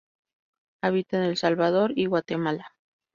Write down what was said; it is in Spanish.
Habita en el El Salvador y Guatemala.